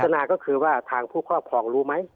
นาก็คือว่าทางผู้ครอบครองรู้ไหม